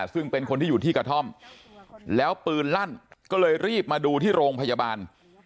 ซึ่งเป็นคนที่อยู่ที่กระท่อมแล้วปืนลั่นก็เลยรีบมาดูที่โรงพยาบาล